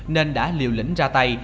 nên đã liều lĩnh ra tay